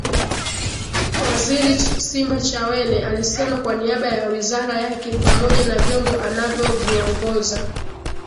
Waziri Simbachawene alisema kwa niaba ya Wizara yake pamoja na vyombo anavyoviongoza